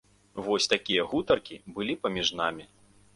Вось такія гутаркі былі паміж намі.